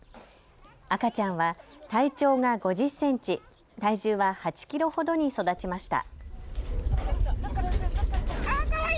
赤ちゃんは体長が５０センチ、体重は８キロほどに育ちました。